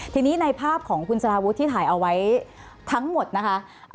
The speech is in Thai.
ทีนี้ในภาพของคุณสารวุฒิที่ถ่ายเอาไว้ทั้งหมดนะคะ